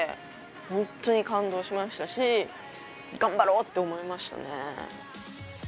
ホントに感動しましたし頑張ろうって思いましたね。